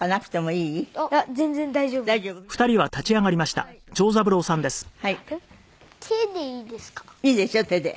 いいですよ手で。